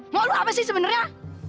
mau lo apa sih sebenernya